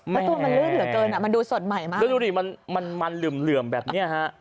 มันลืมเหลือเกินมันดูสดใหม่มากดูดิมันมันมันลืมแบบนี้ฮะ